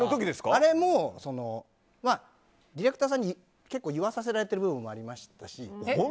あれも、ディレクターさんに結構言わさせられている部分もありましたし。